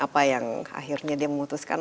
apa yang akhirnya dia memutuskan